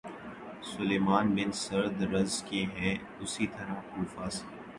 سلیمان بن سرد رض کے ہیں اسی طرح کوفہ سے